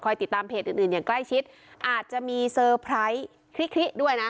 ติดตามเพจอื่นอื่นอย่างใกล้ชิดอาจจะมีเซอร์ไพรส์คลิด้วยนะ